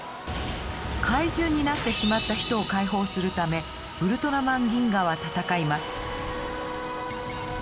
怪獣になってしまった人を解放するためウルトラマンギンガは戦います。